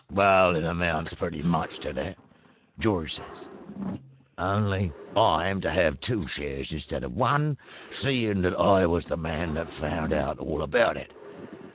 "`Well, it amounts pretty much to that,' George says, `only I'm to have two shares instead of one, seein' that I was the man that found out all about it.